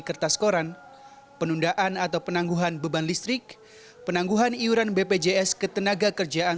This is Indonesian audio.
kertas koran penundaan atau penangguhan beban listrik penangguhan iuran bpjs ketenaga kerjaan